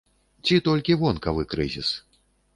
Ці толькі вонкавы крызіс?